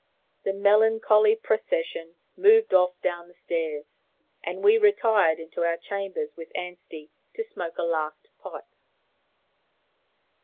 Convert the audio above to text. The melancholy procession moved off down the stairs, and we retired into our chambers with Anstey to smoke a last pipe.